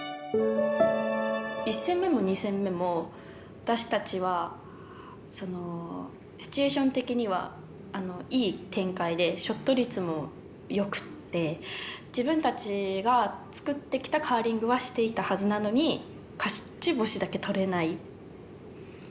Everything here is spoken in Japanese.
１戦目も２戦目も私たちはシチュエーション的にはいい展開でショット率もよくて自分たちが作ってきたカーリングはしていたはずなのに勝ち星だけ取れない。